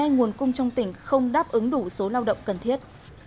nguồn cung trong tỉnh không đáp ứng đủ số lao động cần thiết